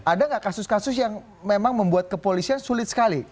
ada nggak kasus kasus yang memang membuat kepolisian sulit sekali